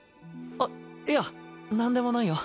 あっいやなんでもないよ。